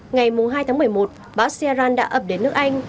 ngày hai tháng một mươi một bão siaran đã ập đến nước anh